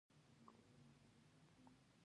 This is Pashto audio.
نو هغه وخت زه د خپلو احساساتو بادار یم.